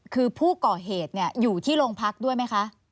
คือผู้ก่อเหตุอยู่ที่โรงพักด้วยไหมคะ